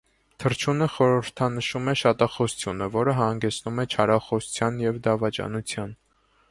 Թռչունը խորհրդանշում է շատախոսությունը, որ հանգեցնում է չարախոսության և դավաճանության։